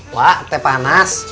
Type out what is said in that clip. pak teh panas